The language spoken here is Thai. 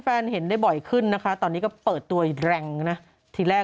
เห็นได้บ่อยขึ้นนะคะตอนนี้ก็เปิดตัวแรงนะทีแรก